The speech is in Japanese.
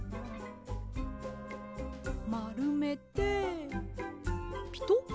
まるめてピトッ。